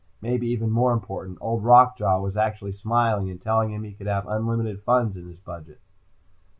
Maybe even more important, Old Rock Jaw was actually smiling, and telling him he could have unlimited funds in his budget.